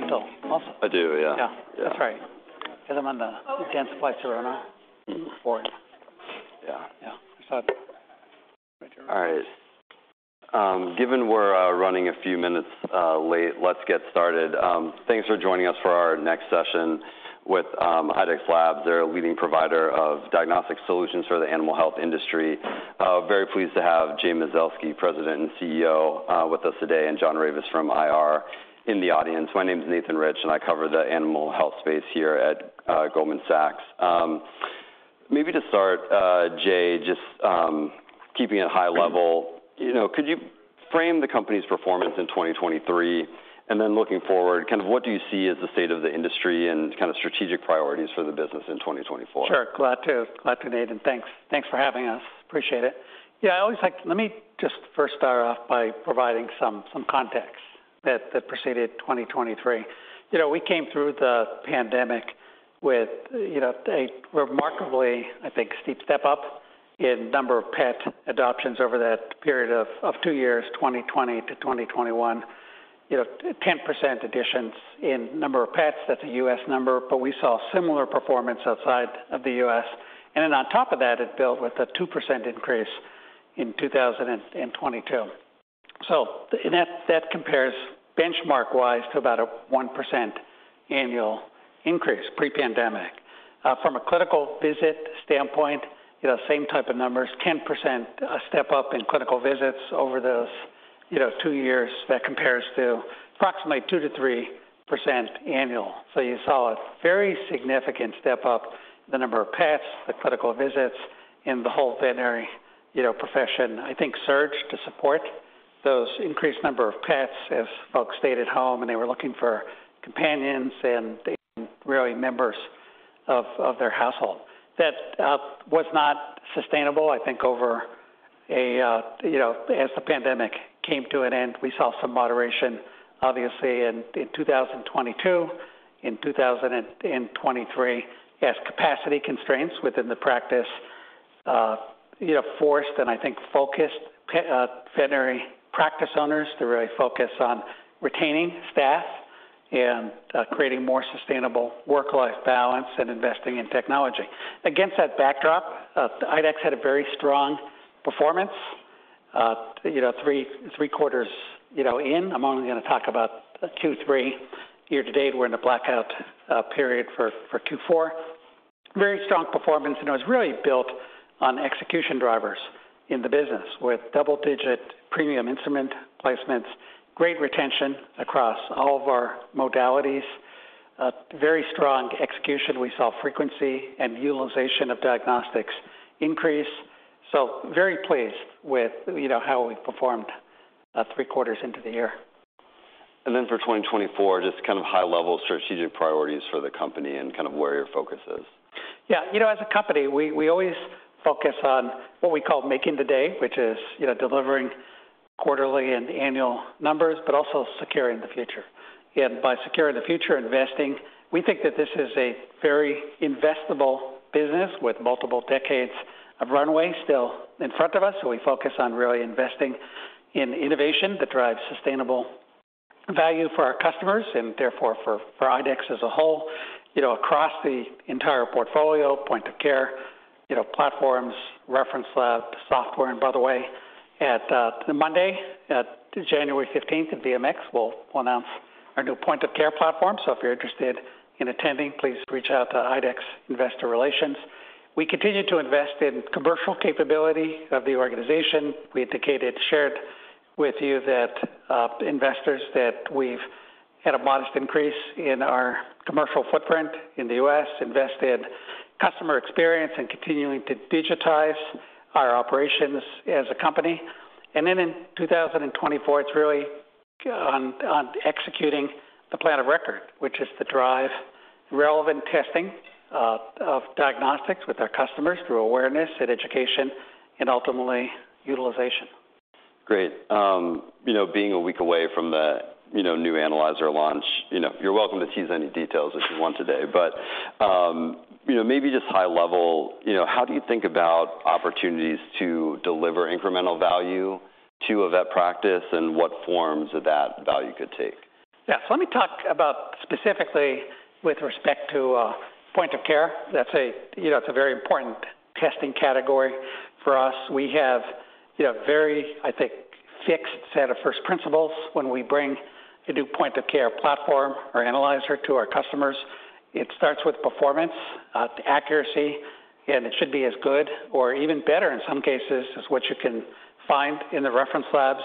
You do dental also? I do, yeah. Yeah, that's right, 'cause I'm on the Dentsply Sirona. Mm-hmm. Yeah. Yeah. I thought. All right, given we're running a few minutes late, let's get started. Thanks for joining us for our next session with IDEXX Labs. They're a leading provider of diagnostic solutions for the animal health industry. Very pleased to have Jay Mazelsky, President and CEO, with us today, and John Ravis from IR in the audience. My name is Nathan Rich, and I cover the animal health space here at Goldman Sachs. Maybe to start, Jay, just keeping it high level, you know, could you frame the company's performance in 2023? And then looking forward, kind of what do you see as the state of the industry and kind of strategic priorities for the business in 2024? Sure. Glad to, Nathan. Thanks for having us. Appreciate it. Yeah, I always like to—let me just first start off by providing some context that preceded 2023. You know, we came through the pandemic with, you know, a remarkably, I think, steep step up in number of pet adoptions over that period of two years, 2020 to 2021. You know, 10% additions in number of pets, that's a U.S. number, but we saw similar performance outside of the U.S. And then on top of that, it built with a 2% increase in 2022. So, that compares benchmark-wise to about a 1% annual increase pre-pandemic. From a clinical visit standpoint, you know, same type of numbers, 10% step up in clinical visits over those, you know, two years. That compares to approximately 2%-3% annual. So you saw a very significant step up the number of pets, the clinical visits, and the whole veterinary, you know, profession, I think, surged to support those increased number of pets as folks stayed at home, and they were looking for companions, and they became really members of their household. That was not sustainable, I think, over a you know, as the pandemic came to an end. We saw some moderation, obviously, in 2022, in 2023, as capacity constraints within the practice you know, forced and, I think, focused veterinary practice owners to really focus on retaining staff and creating more sustainable work-life balance and investing in technology. Against that backdrop, IDEXX had a very strong performance, you know, three quarters. I'm only gonna talk about Q3 year-to-date. We're in a blackout period for Q4. Very strong performance, and it was really built on execution drivers in the business, with double-digit premium instrument placements, great retention across all of our modalities, very strong execution. We saw frequency and utilization of diagnostics increase, so very pleased with, you know, how we've performed, three quarters into the year. And then for 2024, just kind of high-level strategic priorities for the company and kind of where your focus is? Yeah. You know, as a company, we always focus on what we call making the day, which is, you know, delivering quarterly and annual numbers, but also securing the future. And by securing the future, investing, we think that this is a very investable business with multiple decades of runway still in front of us, so we focus on really investing in innovation that drives sustainable value for our customers and therefore for IDEXX as a whole, you know, across the entire portfolio, point of care, you know, platforms, reference lab, software. And by the way, at Monday, January fifteenth at VMX, we'll announce our new point of care platform, so if you're interested in attending, please reach out to IDEXX Investor Relations. We continue to invest in commercial capability of the organization. We indicated, shared with you that, investors, that we've had a modest increase in our commercial footprint in the U.S., invest in customer experience, and continuing to digitize our operations as a company. And then in 2024, it's really on, on executing the plan of record, which is to drive relevant testing of diagnostics with our customers through awareness and education and ultimately utilization. Great. You know, being a week away from the, you know, new analyzer launch, you know, you're welcome to tease any details that you want today. But, you know, maybe just high level, you know, how do you think about opportunities to deliver incremental value to a vet practice, and what forms of that value could take? Yeah. So let me talk about specifically with respect to point of care. That's a, you know, it's a very important testing category for us. We have, you know, a very, I think, fixed set of first principles when we bring a new point of care platform or analyzer to our customers. It starts with performance, accuracy, and it should be as good or even better, in some cases, as what you can find in the reference labs.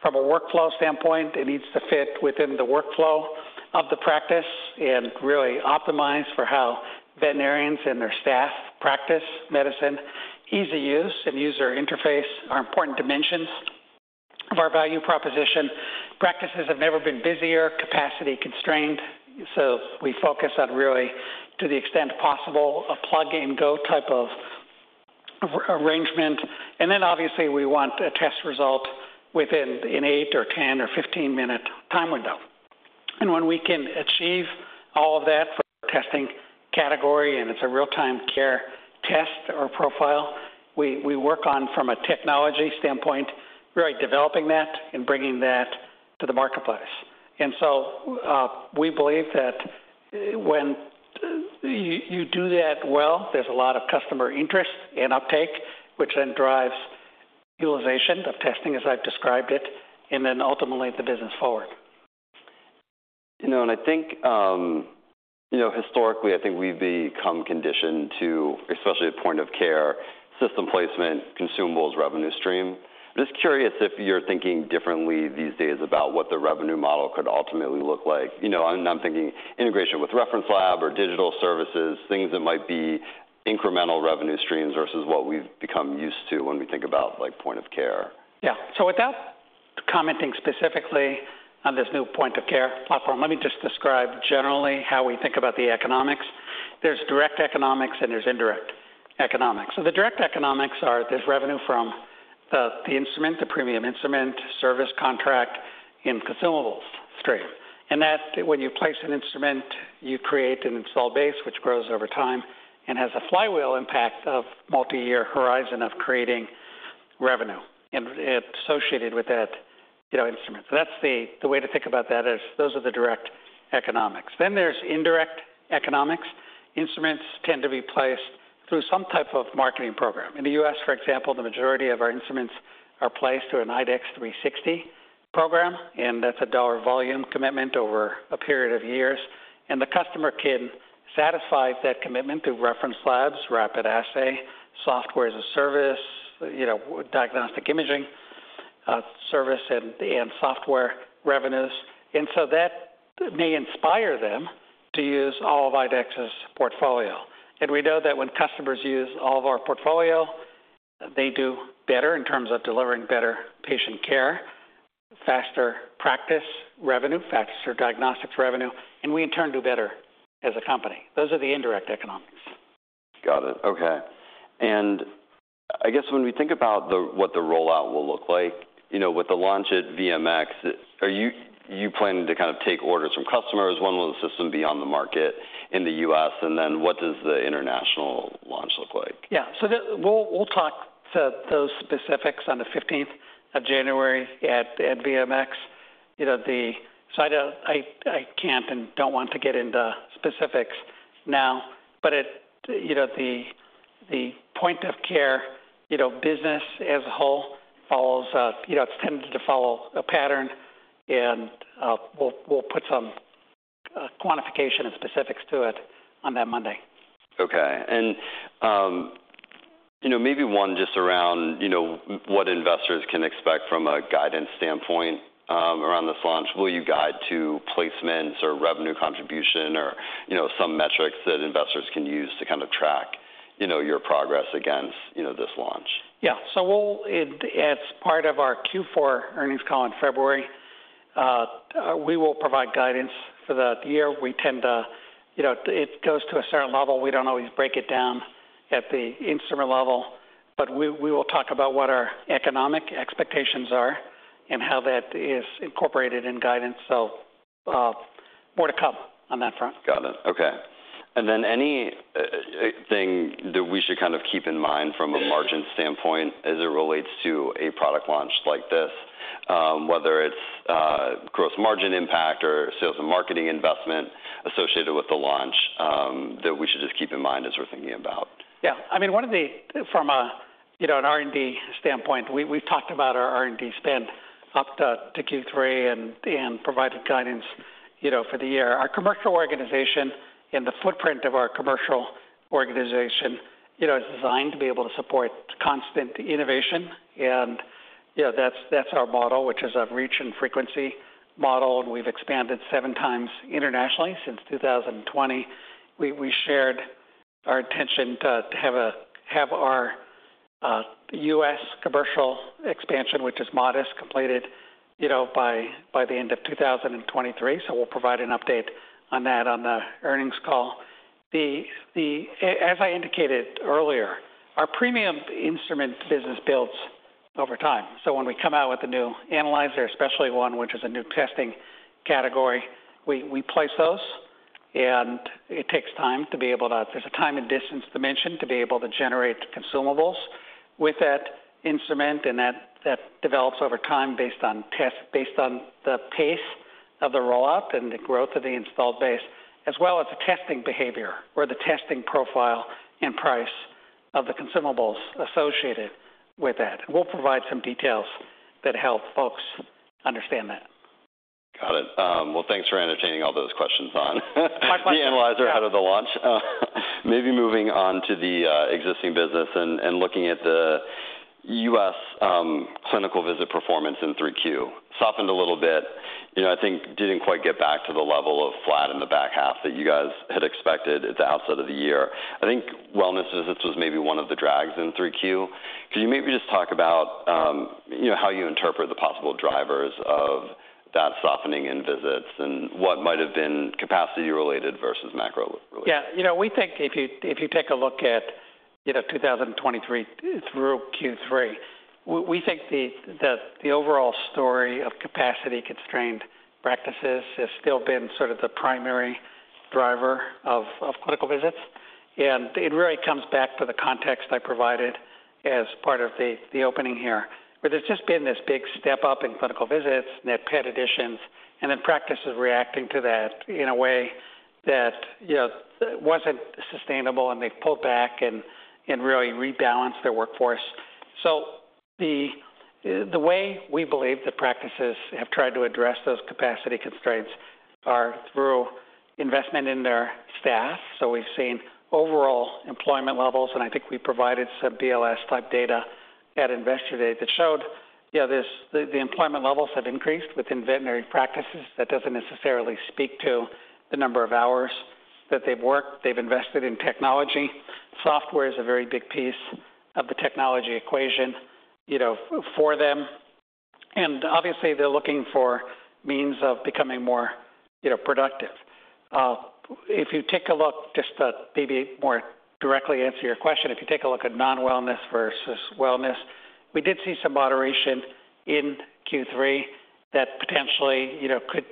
From a workflow standpoint, it needs to fit within the workflow of the practice and really optimize for how veterinarians and their staff practice medicine. Easy use and user interface are important dimensions of our value proposition. Practices have never been busier, capacity constrained, so we focus on really, to the extent possible, a plug-and-go type of arrangement. And then obviously, we want a test result within an 8- or 10- or 15-minute time window. And when we can achieve all of that for testing category, and it's a real-time care test or profile, we work on from a technology standpoint, really developing that and bringing that to the marketplace. And so, we believe that when you do that well, there's a lot of customer interest and uptake, which then drives utilization of testing, as I've described it, and then ultimately the business forward. You know, and I think, you know, historically, I think we've become conditioned to, especially at point of care, system placement, consumables, revenue stream. Just curious if you're thinking differently these days about what the revenue model could ultimately look like? You know, I'm thinking integration with reference lab or digital services, things that might be incremental revenue streams versus what we've become used to when we think about, like, point of care. Yeah. So without commenting specifically on this new point of care platform, let me just describe generally how we think about the economics. There's direct economics and there's indirect economics. So the direct economics are, there's revenue from the instrument, the premium instrument, service contract, and consumables stream. And that, when you place an instrument, you create an install base, which grows over time and has a flywheel impact of multiyear horizon of creating revenue and associated with that, you know, instrument. So that's the way to think about that is those are the direct economics. Then there's indirect economics. Instruments tend to be placed through some type of marketing program. In the U.S., for example, the majority of our instruments are placed through an IDEXX 360 program, and that's a dollar volume commitment over a period of years. The customer can satisfy that commitment through reference labs, rapid assay, software as a service, you know, diagnostic imaging, service and software revenues. So that may inspire them to use all of IDEXX's portfolio. We know that when customers use all of our portfolio, they do better in terms of delivering better patient care, faster practice revenue, faster diagnostics revenue, and we, in turn, do better as a company. Those are the indirect economics. Got it. Okay. I guess when we think about what the rollout will look like, you know, with the launch at VMX, are you planning to kind of take orders from customers? When will the system be on the market in the U.S., and then what does the international launch look like? Yeah. So we'll talk to those specifics on the fifteenth of January at VMX. You know, so I don't, I can't and don't want to get into specifics now, but you know, the point of care business as a whole follows, you know, it tends to follow a pattern, and we'll put some quantification and specifics to it on that Monday. Okay. And, you know, maybe one just around, you know, what investors can expect from a guidance standpoint, around this launch. Will you guide to placements or revenue contribution or, you know, some metrics that investors can use to kind of track, you know, your progress against, you know, this launch? Yeah. So we'll, as part of our Q4 earnings call in February, we will provide guidance for the year. We tend to, you know, it goes to a certain level. We don't always break it down at the instrument level, but we will talk about what our economic expectations are and how that is incorporated in guidance. So, more to come on that front. Got it. Okay. And then anything that we should kind of keep in mind from a margin standpoint as it relates to a product launch like this, whether it's, gross margin impact or sales and marketing investment associated with the launch, that we should just keep in mind as we're thinking about? Yeah. I mean, one of the, from a, you know, an R&D standpoint, we, we've talked about our R&D spend up to, to Q3 and, and provided guidance, you know, for the year. Our commercial organization and the footprint of our commercial organization, you know, is designed to be able to support constant innovation. And, you know, that's, that's our model, which is a reach and frequency model, and we've expanded seven times internationally since 2020. We, we shared our intention to, to have our U.S. commercial expansion, which is modest, completed, you know, by, by the end of 2023. So we'll provide an update on that on the earnings call. As I indicated earlier, our premium instrument business builds over time. So when we come out with a new analyzer, especially one which is a new testing category, we place those, and it takes time to be able to. There's a time and distance dimension to be able to generate consumables with that instrument, and that develops over time based on the pace of the rollout and the growth of the installed base, as well as the testing behavior or the testing profile and price of the consumables associated with that. We'll provide some details that help folks understand that. Got it. Well, thanks for entertaining all those questions on- My pleasure. - the analyzer ahead of the launch. Maybe moving on to the existing business and looking at the U.S. clinical visit performance in Q3. Softened a little bit. You know, I think didn't quite get back to the level of flat in the back half that you guys had expected at the outset of the year. I think wellness visits was maybe one of the drags in Q3. Can you maybe just talk about, you know, how you interpret the possible drivers of that softening in visits and what might have been capacity related versus macro related? Yeah. You know, we think if you take a look at—you know, 2023 through Q3, we think that the overall story of capacity-constrained practices has still been sort of the primary driver of clinical visits. And it really comes back to the context I provided as part of the opening here, where there's just been this big step up in clinical visits, net pet additions, and then practices reacting to that in a way that, you know, wasn't sustainable, and they've pulled back and really rebalanced their workforce. So the way we believe the practices have tried to address those capacity constraints are through investment in their staff. So we've seen overall employment levels, and I think we provided some BLS-type data at Investor Day that showed, yeah, the employment levels have increased within veterinary practices. That doesn't necessarily speak to the number of hours that they've worked. They've invested in technology. Software is a very big piece of the technology equation, you know, for them, and obviously, they're looking for means of becoming more, you know, productive. If you take a look, just to maybe more directly answer your question, if you take a look at non-wellness versus wellness, we did see some moderation in Q3 that potentially, you know, could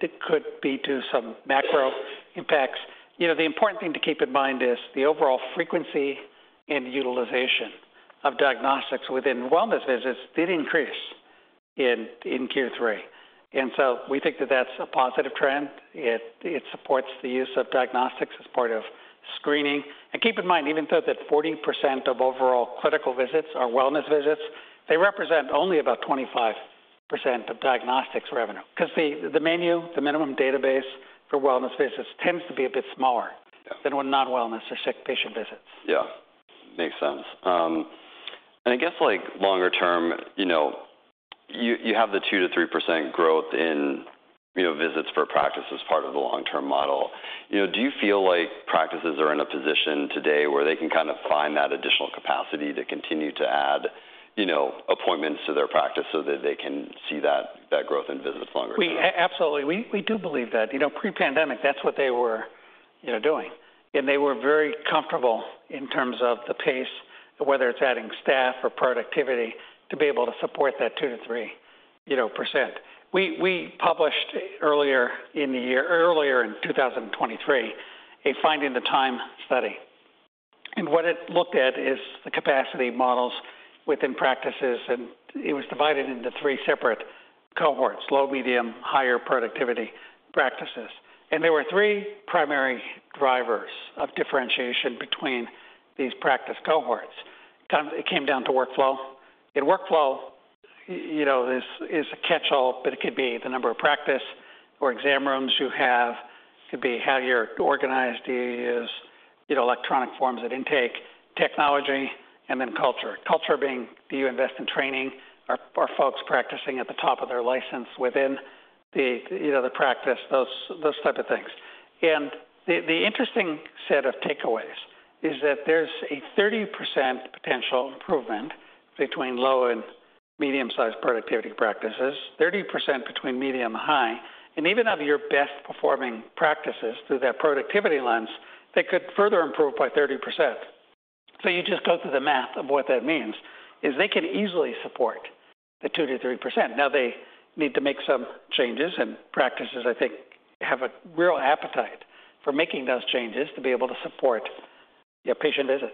be to some macro impacts. You know, the important thing to keep in mind is the overall frequency and utilization of diagnostics within wellness visits did increase in Q3, and so we think that that's a positive trend. It supports the use of diagnostics as part of screening. And keep in mind, even though that 40% of overall clinical visits are wellness visits, they represent only about 25% of diagnostics revenue, 'cause the menu, the minimum database for wellness visits tends to be a bit smaller- Yeah. than with non-wellness or sick patient visits. Yeah, makes sense. And I guess, like, longer term, you know, you, you have the 2%-3% growth in, you know, visits per practice as part of the long-term model. You know, do you feel like practices are in a position today where they can kind of find that additional capacity to continue to add, you know, appointments to their practice so that they can see that, that growth in visits longer term? We absolutely do believe that. You know, pre-pandemic, that's what they were, you know, doing, and they were very comfortable in terms of the pace of whether it's adding staff or productivity to be able to support that 2%-3%. We published earlier in the year, earlier in 2023, a Finding the Time study, and what it looked at is the capacity models within practices, and it was divided into three separate cohorts: low, medium, higher productivity practices. There were three primary drivers of differentiation between these practice cohorts. It came down to workflow. In workflow, you know, this is a catch-all, but it could be the number of practice or exam rooms you have, could be how you're organized, do you use, you know, electronic forms at intake, technology, and then culture. Culture being, do you invest in training? Are folks practicing at the top of their license within the, you know, the practice? Those type of things. And the interesting set of takeaways is that there's a 30% potential improvement between low and medium-sized productivity practices, 30% between medium and high, and even of your best-performing practices, through that productivity lens, they could further improve by 30%. So you just go through the math of what that means, is they can easily support the 2%-3%. Now, they need to make some changes, and practices, I think, have a real appetite for making those changes to be able to support the patient visit.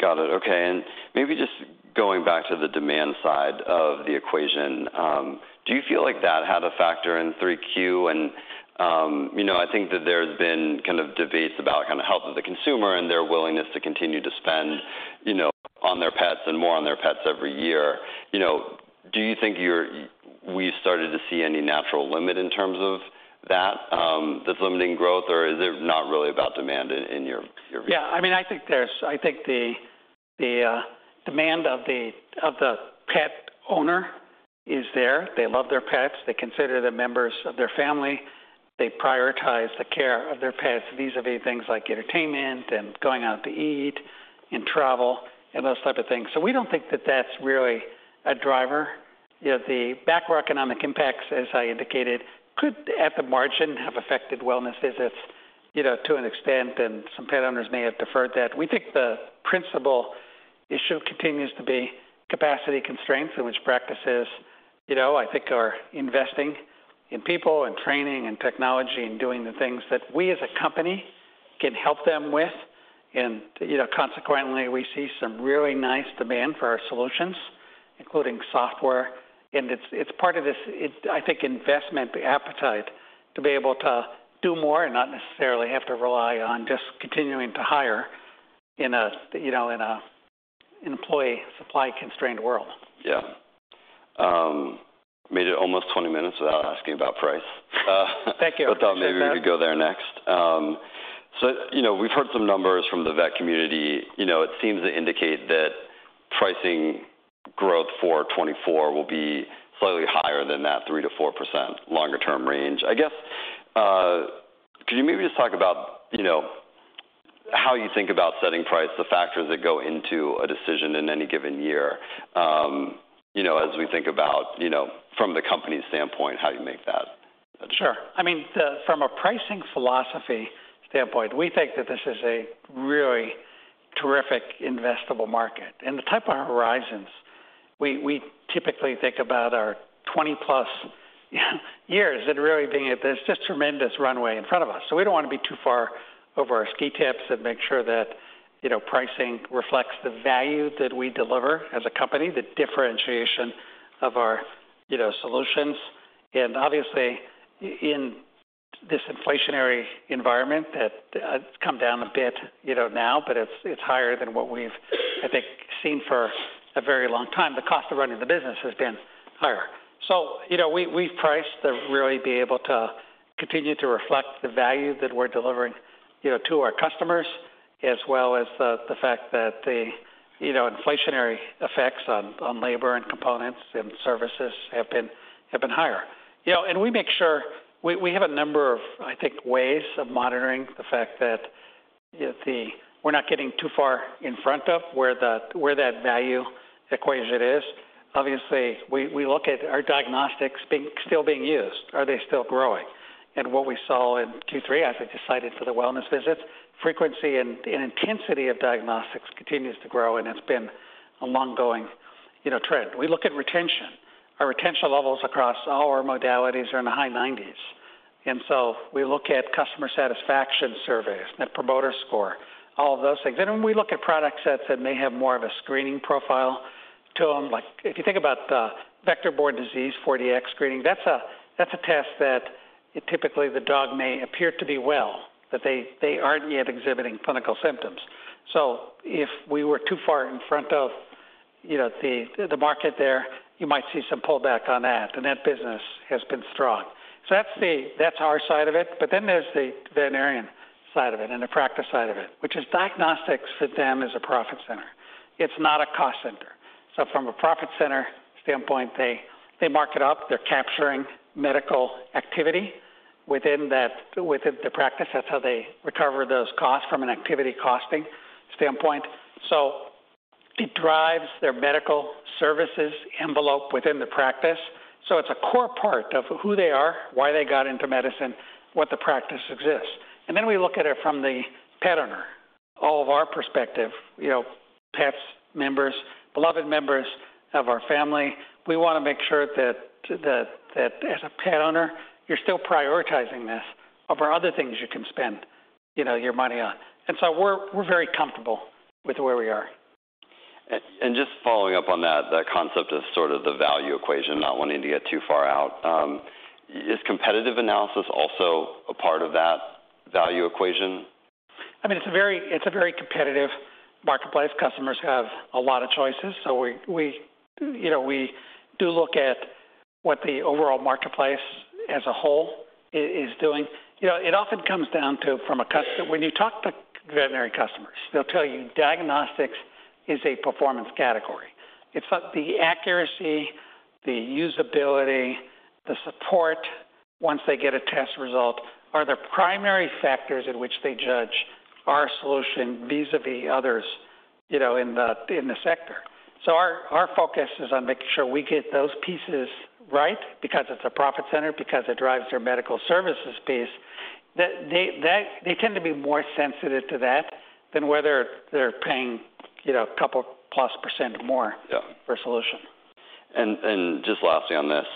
Got it. Okay, and maybe just going back to the demand side of the equation, do you feel like that had a factor in Q3? And, you know, I think that there's been kind of debates about kind of the health of the consumer and their willingness to continue to spend, you know, on their pets and more on their pets every year. You know, do you think you're—we've started to see any natural limit in terms of that, that's limiting growth, or is it not really about demand in, in your view? Yeah. I mean, I think there's... I think the demand of the pet owner is there. They love their pets. They consider them members of their family. They prioritize the care of their pets, vis-a-vis things like entertainment and going out to eat and travel and those type of things. So we don't think that that's really a driver. You know, the macroeconomic impacts, as I indicated, could, at the margin, have affected wellness visits, you know, to an extent, and some pet owners may have deferred that. We think the principal issue continues to be capacity constraints in which practices, you know, I think, are investing in people and training and technology and doing the things that we, as a company, can help them with. You know, consequently, we see some really nice demand for our solutions, including software, and it's part of this, I think, investment appetite to be able to do more and not necessarily have to rely on just continuing to hire in a, you know, an employee supply-constrained world. Yeah. Made it almost 20 minutes without asking about price. Thank you. I thought maybe we'd go there next. So, you know, we've heard some numbers from the vet community. You know, it seems to indicate that pricing growth for 2024 will be slightly higher than that 3%-4% longer-term range. I guess, could you maybe just talk about, you know, how you think about setting price, the factors that go into a decision in any given year, you know, as we think about, you know, from the company's standpoint, how you make that?... Sure. I mean, from a pricing philosophy standpoint, we think that this is a really terrific investable market. And the type of horizons we typically think about are 20+ years and really being, there's just tremendous runway in front of us. So we don't wanna be too far over our ski tips and make sure that, you know, pricing reflects the value that we deliver as a company, the differentiation of our, you know, solutions. And obviously, in this inflationary environment, that it's come down a bit, you know, now, but it's higher than what we've, I think, seen for a very long time. The cost of running the business has been higher. So, you know, we've priced to really be able to continue to reflect the value that we're delivering, you know, to our customers, as well as the fact that the, you know, inflationary effects on labor and components and services have been higher. You know, and we make sure. We have a number of, I think, ways of monitoring the fact that, you know, that we're not getting too far in front of where the, where that value equation is. Obviously, we look at are diagnostics being still being used? Are they still growing? And what we saw in Q3, as I just cited for the wellness visits, frequency and intensity of diagnostics continues to grow, and it's been a long-going, you know, trend. We look at retention. Our retention levels across all our modalities are in the high nineties, and so we look at customer satisfaction surveys, net promoter score, all of those things. And when we look at product sets that may have more of a screening profile to them, like if you think about the vector-borne disease, 4Dx screening, that's a, that's a test that typically the dog may appear to be well, but they, they aren't yet exhibiting clinical symptoms. So if we were too far in front of, you know, the, the market there, you might see some pullback on that, and that business has been strong. So that's the... That's our side of it, but then there's the veterinarian side of it and the practice side of it, which is diagnostics to them is a profit center. It's not a cost center. So from a profit center standpoint, they mark it up. They're capturing medical activity within that, within the practice. That's how they recover those costs from an activity costing standpoint. So it drives their medical services envelope within the practice, so it's a core part of who they are, why they got into medicine, what the practice exists. And then we look at it from the pet owner, all of our perspective, you know, pets, members, beloved members of our family. We wanna make sure that as a pet owner, you're still prioritizing this over other things you can spend, you know, your money on. And so we're very comfortable with where we are. Just following up on that concept of sort of the value equation, not wanting to get too far out, is competitive analysis also a part of that value equation? I mean, it's a very competitive marketplace. Customers have a lot of choices, so we, you know, we do look at what the overall marketplace as a whole is doing. You know, it often comes down to from a custom- When you talk to veterinary customers, they'll tell you diagnostics is a performance category. It's like the accuracy, the usability, the support once they get a test result, are the primary factors in which they judge our solution vis-a-vis others, you know, in the sector. So our focus is on making sure we get those pieces right because it's a profit center, because it drives their medical services piece. They tend to be more sensitive to that than whether they're paying, you know, a couple plus percent more- Yeah. -for a solution. And just lastly on this,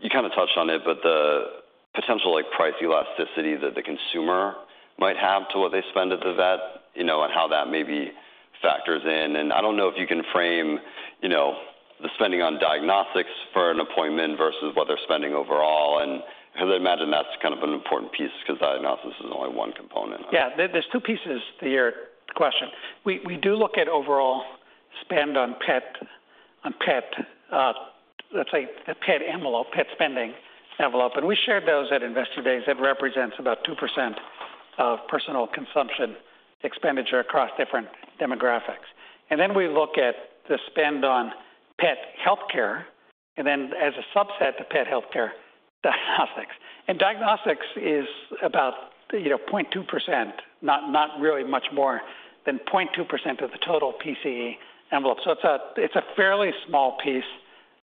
you kind of touched on it, but the potential, like, price elasticity that the consumer might have to what they spend at the vet, you know, and how that maybe factors in, and I don't know if you can frame, you know, the spending on diagnostics for an appointment versus what they're spending overall. Because I imagine that's kind of an important piece, because diagnostics is only one component. Yeah. There's two pieces to your question. We do look at overall spend on pet, on pet, let's say, the pet envelope, pet spending envelope, and we shared those at Investor Days. It represents about 2% of personal consumption expenditure across different demographics. And then we look at the spend on pet healthcare, and then as a subset to pet healthcare, diagnostics. And diagnostics is about, you know, 0.2%, not really much more than 0.2% of the total PCE envelope. So it's a fairly small piece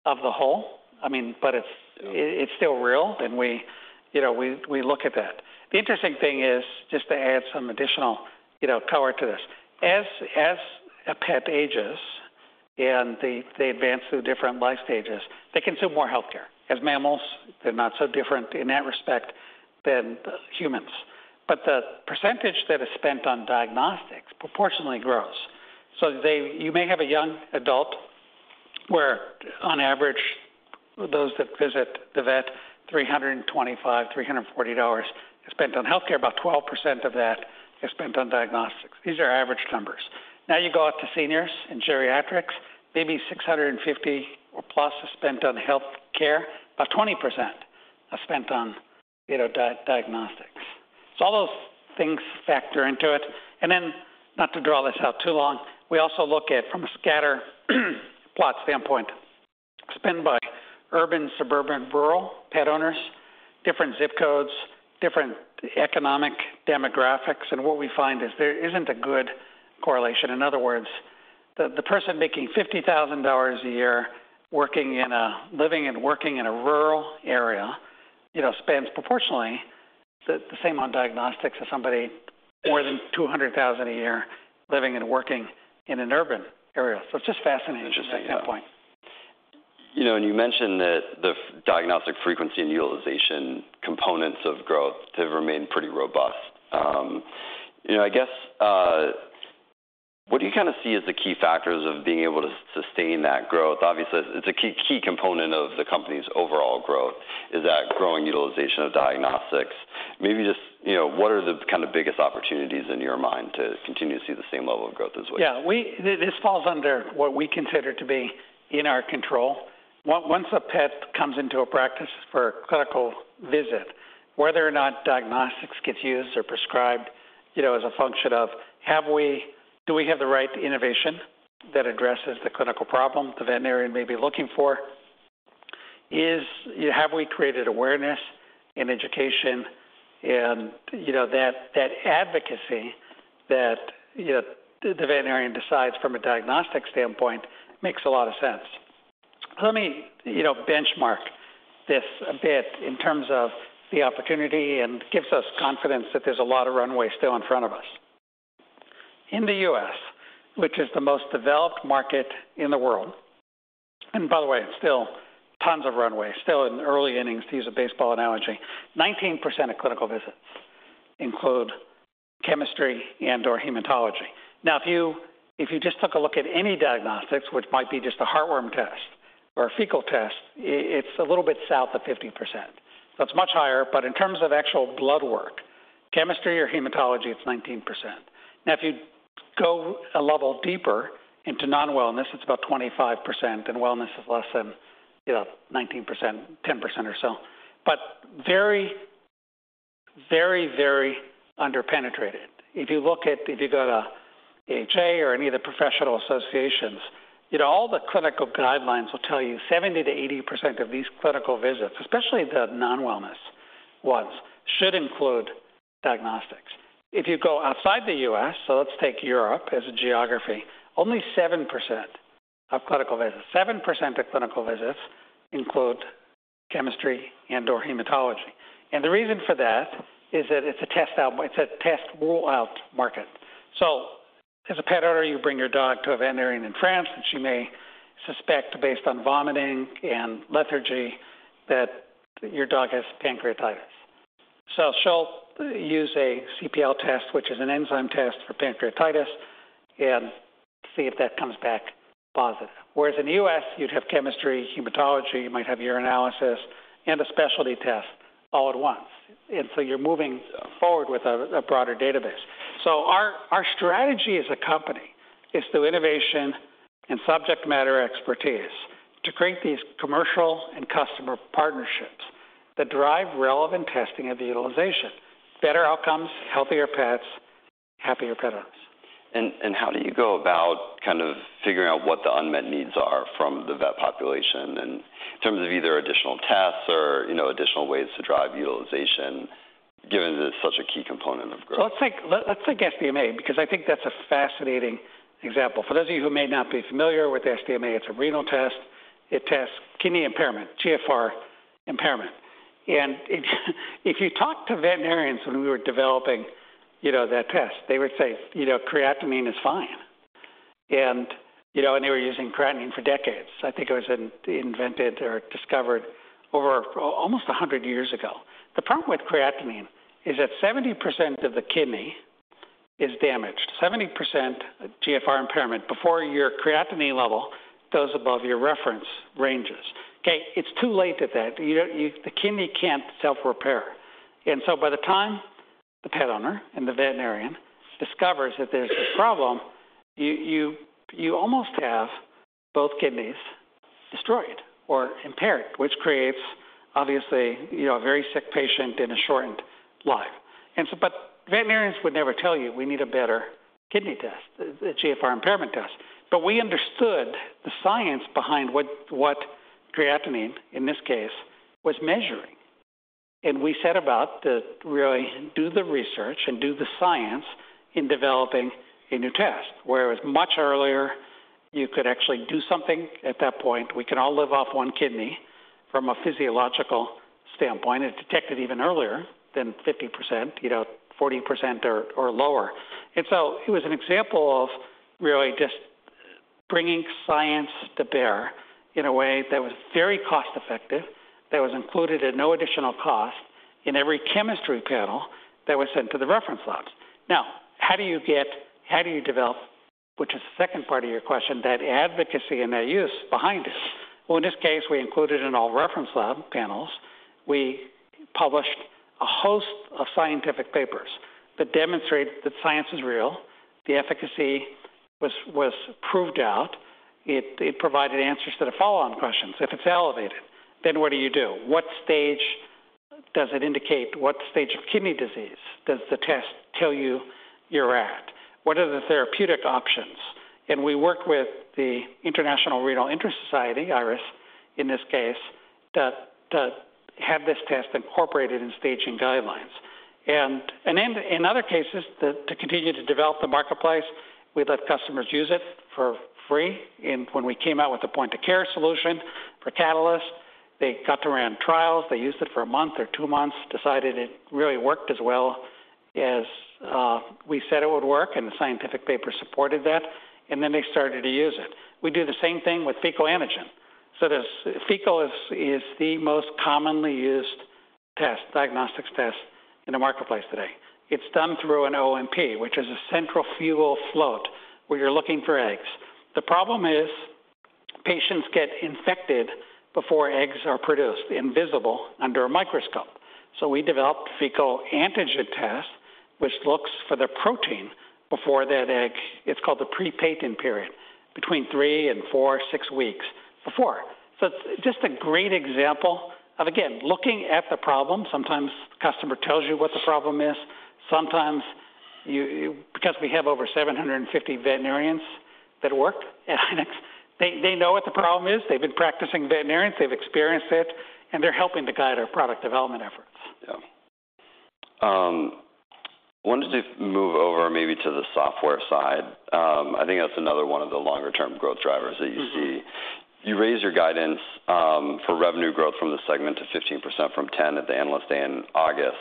of the whole. I mean, but it's- Still-... it, it's still real, and we, you know, we look at that. The interesting thing is, just to add some additional, you know, color to this, as a pet ages and they advance through different life stages, they consume more healthcare. As mammals, they're not so different in that respect than humans. But the percentage that is spent on diagnostics proportionately grows. So they... You may have a young adult, where on average, those that visit the vet, $325-$340 is spent on healthcare. About 12% of that is spent on diagnostics. These are average numbers. Now, you go out to seniors and geriatrics, maybe $650 or plus is spent on healthcare. About 20% are spent on, you know, diagnostics. So all those things factor into it. And then, not to draw this out too long, we also look at, from a scatter plot standpoint, spend by urban, suburban, rural pet owners, different zip codes, different economic demographics, and what we find is there isn't a good correlation. In other words, the person making $50,000 a year living and working in a rural area, you know, spends proportionally the same on diagnostics as somebody more than $200,000 a year living and working in an urban area. So it's just fascinating. Interesting. at that point. You know, and you mentioned that the diagnostic frequency and utilization components of growth have remained pretty robust. You know, I guess, what do you kind of see as the key factors of being able to sustain that growth? Obviously, it's a key, key component of the company's overall growth, is that growing utilization of diagnostics. Maybe just, you know, what are the kind of biggest opportunities in your mind to continue to see the same level of growth as which- Yeah, this falls under what we consider to be in our control. Once a pet comes into a practice for a clinical visit, whether or not diagnostics gets used or prescribed, you know, is a function of do we have the right innovation that addresses the clinical problem the veterinarian may be looking for? Have we created awareness and education and, you know, that advocacy that, you know, the veterinarian decides from a diagnostic standpoint, makes a lot of sense. Let me, you know, benchmark this a bit in terms of the opportunity and gives us confidence that there's a lot of runway still in front of us. In the U.S., which is the most developed market in the world, and by the way, still tons of runway, still in the early innings, to use a baseball analogy, 19% of clinical visits include chemistry and/or hematology. Now, if you, if you just took a look at any diagnostics, which might be just a heartworm test or a fecal test, it's a little bit south of 15%. That's much higher, but in terms of actual blood work, chemistry or hematology, it's 19%. Now, if you go a level deeper into non-wellness, it's about 25%, and wellness is less than, you know, 19%, 10% or so. But very, very, very underpenetrated. If you look at -- if you go to AAHA or any of the professional associations, you know, all the clinical guidelines will tell you 70%-80% of these clinical visits, especially the non-wellness ones, should include diagnostics. If you go outside the U.S., so let's take Europe as a geography, only 7% of clinical visits, 7% of clinical visits include chemistry and/or hematology. And the reason for that is that it's a test out, it's a test rule-out market. So as a pet owner, you bring your dog to a veterinarian in France, and she may suspect, based on vomiting and lethargy, that your dog has pancreatitis. So she'll use a cPL test, which is an enzyme test for pancreatitis, and see if that comes back positive. Whereas in the U.S., you'd have chemistry, hematology, you might have urinalysis, and a specialty test all at once. So you're moving forward with a broader database. Our strategy as a company is through innovation and subject matter expertise to create these commercial and customer partnerships that drive relevant testing and utilization, better outcomes, healthier pets, happier pet owners. How do you go about kind of figuring out what the unmet needs are from the vet population in terms of either additional tests or, you know, additional ways to drive utilization, given that it's such a key component of growth? So let's take SDMA, because I think that's a fascinating example. For those of you who may not be familiar with SDMA, it's a renal test. It tests kidney impairment, GFR impairment. And if you talk to veterinarians when we were developing, you know, that test, they would say, "You know, creatinine is fine." And, you know, and they were using creatinine for decades. I think it was invented or discovered over almost 100 years ago. The problem with creatinine is that 70% of the kidney is damaged, 70% GFR impairment, before your creatinine level goes above your reference ranges. Okay, it's too late at that. You don't, you, the kidney can't self-repair, and so by the time the pet owner and the veterinarian discovers that there's a problem, you almost have both kidneys destroyed or impaired, which creates obviously, you know, a very sick patient and a shortened life. But veterinarians would never tell you, "We need a better kidney test, a GFR impairment test." But we understood the science behind what creatinine, in this case, was measuring, and we set about to really do the research and do the science in developing a new test, where much earlier, you could actually do something at that point. We can all live off one kidney from a physiological standpoint and detect it even earlier than 50%, you know, 40% or lower. And so it was an example of really just bringing science to bear in a way that was very cost-effective, that was included at no additional cost in every chemistry panel that was sent to the reference labs. Now, how do you get, how do you develop, which is the second part of your question, that advocacy and that use behind it? Well, in this case, we included in all reference lab panels. We published a host of scientific papers that demonstrate that science is real, the efficacy was, was proved out. It, it provided answers to the follow-on questions. If it's elevated, then what do you do? What stage does it indicate? What stage of kidney disease does the test tell you you're at? What are the therapeutic options?... We worked with the International Renal Interest Society, IRIS, in this case, to have this test incorporated in staging guidelines. And then in other cases, to continue to develop the marketplace, we let customers use it for free. And when we came out with the point-of-care solution for Catalyst, they got to run trials. They used it for a month or two months, decided it really worked as well as we said it would work, and the scientific paper supported that, and then they started to use it. We did the same thing with fecal antigen. So this fecal is the most commonly used diagnostic test in the marketplace today. It's done through an O&P, which is a centrifugal float, where you're looking for eggs. The problem is patients get infected before eggs are produced, invisible under a microscope. So we developed fecal antigen test, which looks for the protein before that egg. It's called the pre-patent period, between 3 and 4, 6 weeks before. So it's just a great example of, again, looking at the problem. Sometimes the customer tells you what the problem is. Sometimes you—because we have over 750 veterinarians that work at IDEXX, they know what the problem is. They've been practicing veterinarians, they've experienced it, and they're helping to guide our product development efforts. Yeah. Wanted to move over maybe to the software side. I think that's another one of the longer-term growth drivers that you see. Mm-hmm. You raised your guidance for revenue growth from the segment to 15% from 10% at the Analyst Day in August.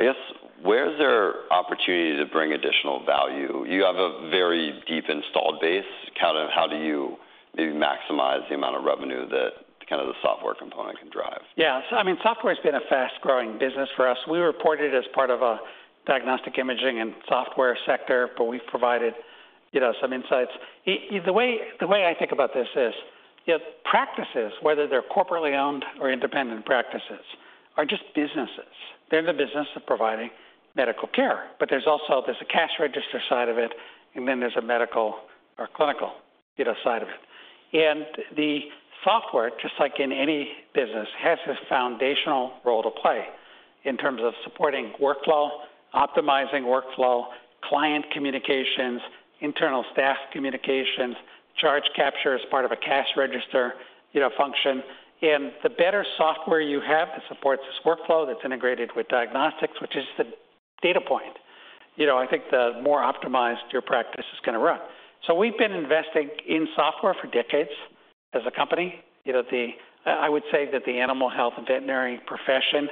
I guess, where is there opportunity to bring additional value? You have a very deep installed base. Kind of, how do you maybe maximize the amount of revenue that kind of the software component can drive? Yeah. So, I mean, software's been a fast-growing business for us. We were reported as part of a diagnostic imaging and software sector, but we've provided, you know, some insights. The way I think about this is, you know, practices, whether they're corporately owned or independent practices, are just businesses. They're in the business of providing medical care, but there's also... There's a cash register side of it, and then there's a medical or clinical, you know, side of it. And the software, just like in any business, has a foundational role to play in terms of supporting workflow, optimizing workflow, client communications, internal staff communications, charge capture as part of a cash register, you know, function. The better software you have that supports this workflow, that's integrated with diagnostics, which is the data point, you know, I think the more optimized your practice is gonna run. We've been investing in software for decades as a company. You know, I would say that the animal health and veterinary profession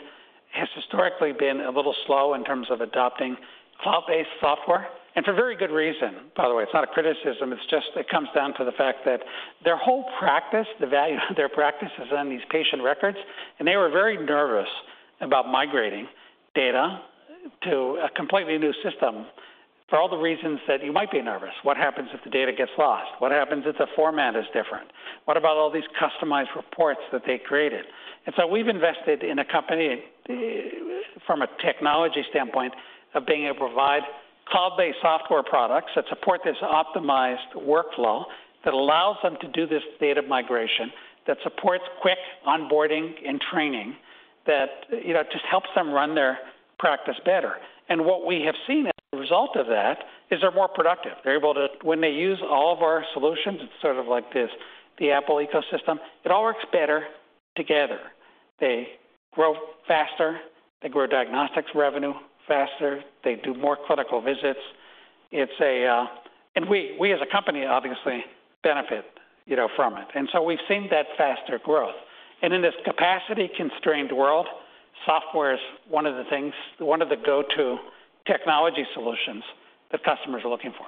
has historically been a little slow in terms of adopting cloud-based software, and for very good reason, by the way. It's not a criticism. It's just, it comes down to the fact that their whole practice, the value of their practice, is in these patient records, and they were very nervous about migrating data to a completely new system for all the reasons that you might be nervous. What happens if the data gets lost? What happens if the format is different? What about all these customized reports that they created? And so we've invested in a company from a technology standpoint of being able to provide cloud-based software products that support this optimized workflow that allows them to do this data migration that supports quick onboarding and training that you know just helps them run their practice better. And what we have seen as a result of that is they're more productive. They're able to... When they use all of our solutions, it's sort of like this, the Apple ecosystem, it all works better together. They grow faster, they grow diagnostics revenue faster, they do more clinical visits. It's a... And we as a company obviously benefit you know from it and so we've seen that faster growth. And in this capacity-constrained world, software is one of the things, one of the go-to technology solutions that customers are looking for.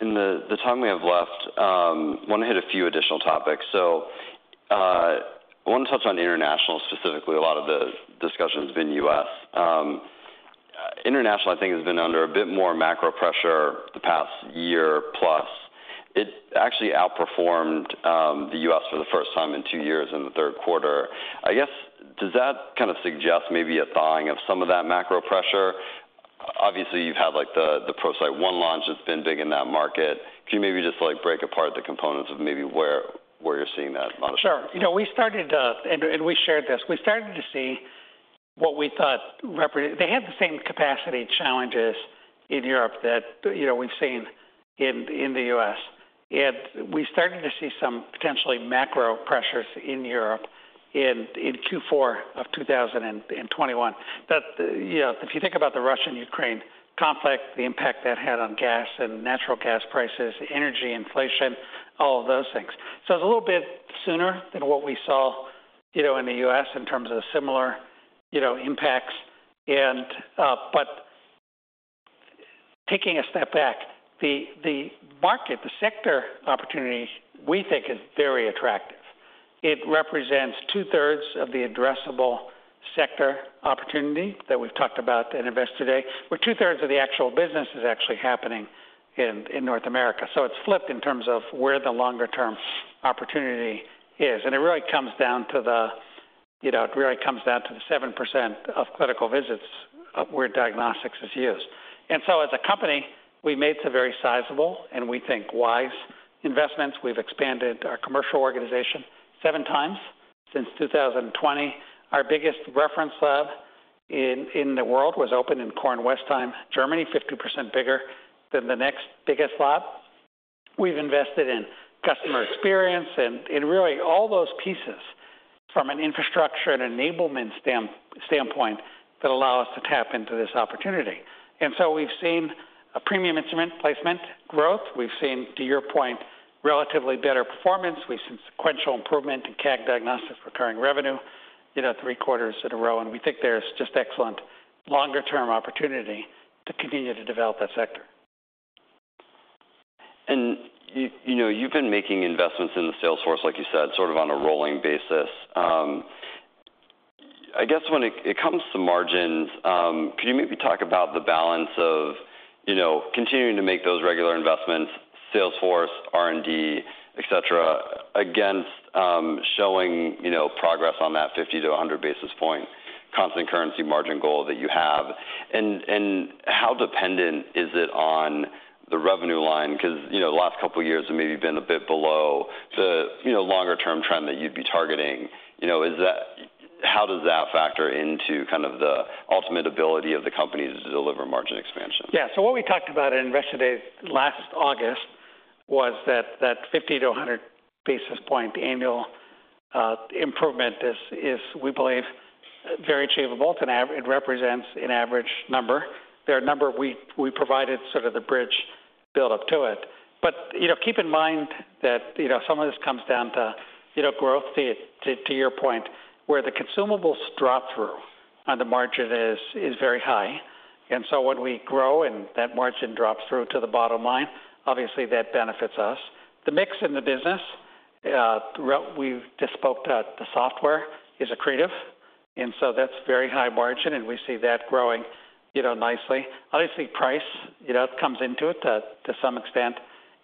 In the time we have left, want to hit a few additional topics. So, I want to touch on international, specifically. A lot of the discussion has been U.S. International, I think, has been under a bit more macro pressure the past year-plus. It actually outperformed the U.S. for the first time in two years in the third quarter. I guess, does that kind of suggest maybe a thawing of some of that macro pressure? Obviously, you've had, like, the ProCyte One launch that's been big in that market. Can you maybe just, like, break apart the components of maybe where you're seeing that momentum? Sure. You know, we started, and we shared this. We started to see. They had the same capacity challenges in Europe that, you know, we've seen in the US. We started to see some potentially macro pressures in Europe in Q4 of 2021. But you know, if you think about the Russia and Ukraine conflict, the impact that had on gas and natural gas prices, energy inflation, all of those things. So it's a little bit sooner than what we saw, you know, in the US in terms of the similar impacts. But taking a step back, the market, the sector opportunity, we think, is very attractive. It represents 2/3 of the addressable sector opportunity that we've talked about and invest today, where 2/3 of the actual business is actually happening in North America. So it's flipped in terms of where the longer-term opportunity is. And it really comes down to the, you know, it really comes down to the 7% of clinical visits where diagnostics is used. And so as a company, we've made some very sizable, and we think, wise investments. We've expanded our commercial organization 7x since 2020, our biggest reference lab in the world was opened in Kornwestheim, Germany, 50% bigger than the next biggest lab. We've invested in customer experience and really all those pieces from an infrastructure and enablement standpoint that allow us to tap into this opportunity. And so we've seen a premium instrument placement growth. We've seen, to your point, relatively better performance. We've seen sequential improvement in CAG diagnostic recurring revenue, you know, three quarters in a row, and we think there's just excellent longer-term opportunity to continue to develop that sector. You know, you've been making investments in the sales force, like you said, sort of on a rolling basis. I guess when it comes to margins, can you maybe talk about the balance of, you know, continuing to make those regular investments, sales force, R&D, et cetera, against showing, you know, progress on that 50-100 basis point constant currency margin goal that you have? And how dependent is it on the revenue line? Because, you know, the last couple of years have maybe been a bit below the, you know, longer term trend that you'd be targeting. You know, is that—how does that factor into kind of the ultimate ability of the company to deliver margin expansion? Yeah. So what we talked about in Investor Day, last August, was that that 50-100 basis point annual improvement is, is, we believe, very achievable, and it represents an average number. There are a number of... We provided sort of the bridge build up to it. But, you know, keep in mind that, you know, some of this comes down to, you know, growth, to your point, where the consumables drop through, and the margin is very high. And so when we grow and that margin drops through to the bottom line, obviously that benefits us. The mix in the business, throughout, we've just spoke to, the software is accretive, and so that's very high margin, and we see that growing, you know, nicely. Obviously, price, you know, comes into it to, to some extent,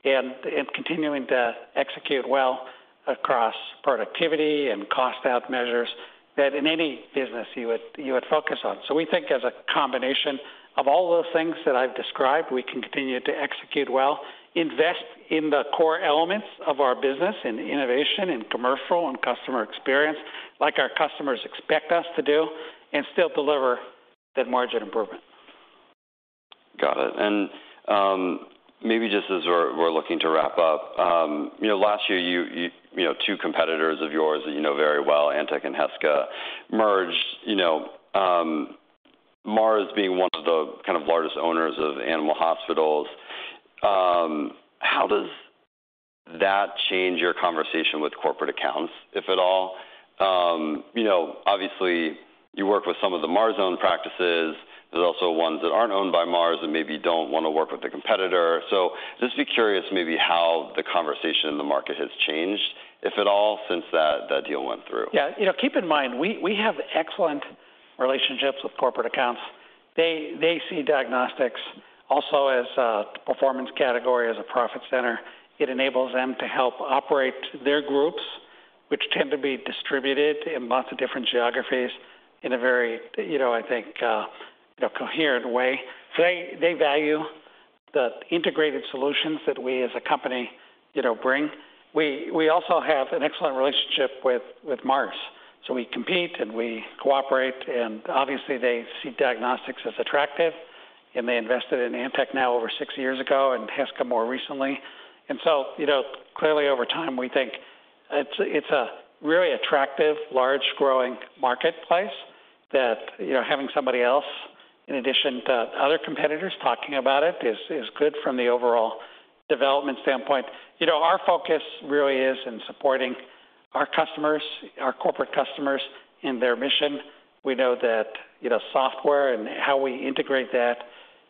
and, and continuing to execute well across productivity and cost out measures that in any business you would, you would focus on. So we think as a combination of all those things that I've described, we can continue to execute well, invest in the core elements of our business, in innovation, in commercial, and customer experience, like our customers expect us to do, and still deliver that margin improvement. Got it. Maybe just as we're looking to wrap up, you know, last year, you know, two competitors of yours that you know very well, Antech and Heska, merged. You know, Mars being one of the kind of largest owners of animal hospitals, how does that change your conversation with corporate accounts, if at all? You know, obviously, you work with some of the Mars-owned practices. There's also ones that aren't owned by Mars and maybe don't want to work with the competitor. So, just curious, maybe how the conversation in the market has changed, if at all, since that deal went through. Yeah. You know, keep in mind, we, we have excellent relationships with corporate accounts. They, they see diagnostics also as a performance category, as a profit center. It enables them to help operate their groups, which tend to be distributed in lots of different geographies in a very, you know, I think, you know, coherent way. They, they value the integrated solutions that we, as a company, you know, bring. We, we also have an excellent relationship with, with Mars, so we compete and we cooperate, and obviously, they see diagnostics as attractive, and they invested in Antech now over six years ago and Heska more recently. And so, you know, clearly over time, we think it's, it's a really attractive, large, growing marketplace that, you know, having somebody else, in addition to other competitors talking about it, is, is good from the overall development standpoint. You know, our focus really is in supporting our customers, our corporate customers, in their mission. We know that, you know, software and how we integrate that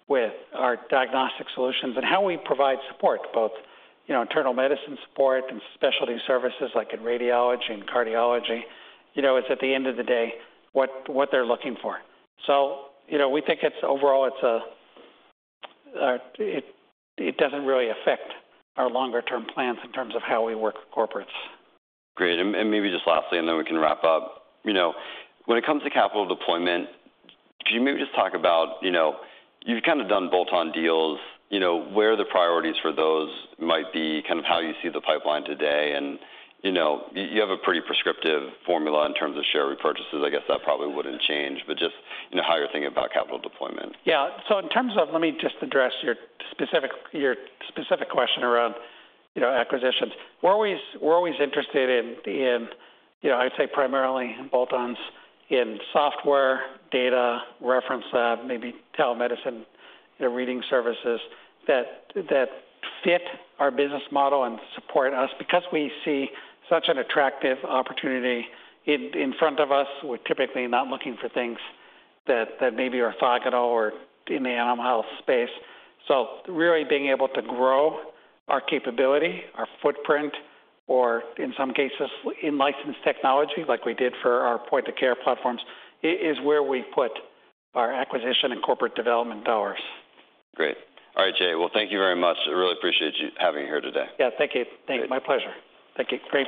with our diagnostic solutions and how we provide support, both, you know, internal medicine support and specialty services, like in radiology and cardiology, you know, it's, at the end of the day, what they're looking for. So, you know, we think it's overall, it doesn't really affect our longer-term plans in terms of how we work with corporates. Great. And maybe just lastly, and then we can wrap up. You know, when it comes to capital deployment, could you maybe just talk about, you know, you've kind of done bolt-on deals, you know, where the priorities for those might be, kind of how you see the pipeline today, and, you know, you have a pretty prescriptive formula in terms of share repurchases. I guess that probably wouldn't change, but just, you know, how you're thinking about capital deployment. Yeah. So in terms of... Let me just address your specific, your specific question around, you know, acquisitions. We're always, we're always interested in, in, you know, I'd say primarily in bolt-ons, in software, data, reference lab, maybe telemedicine, you know, reading services that, that fit our business model and support us. Because we see such an attractive opportunity in, in front of us, we're typically not looking for things that, that maybe are orthogonal or in the animal health space. So really being able to grow our capability, our footprint, or in some cases, in licensed technology, like we did for our point-of-care platforms, is where we put our acquisition and corporate development dollars. Great. All right, Jay, well, thank you very much. I really appreciate you having me here today. Yeah. Thank you. Great. My pleasure. Thank you. Great.